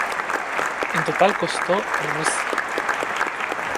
En total costó Rs.